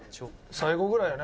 最後ぐらいね